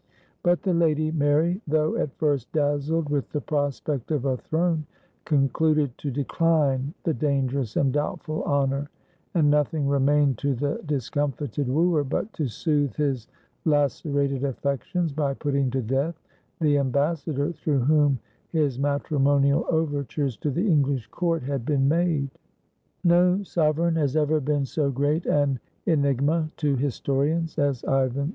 But the Lady Mary, though at first dazzled with the prospect of a throne, con cluded to decline the dangerous and doubtful honor; and nothing remained to the discomfited wooer but to soothe his lacerated affections by putting to death the ambassa dor through whom his matrimonial overtures to the English court had been made. No sovereign has ever been so great an enigma to his torians as Ivan IV.